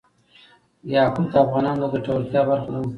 یاقوت د افغانانو د ګټورتیا برخه ده.